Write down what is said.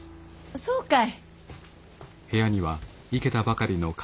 そうかい。